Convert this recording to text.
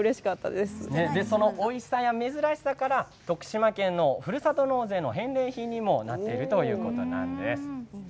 そのおいしさや珍しさから徳島県のふるさと納税の返礼品にもなっているということなんです。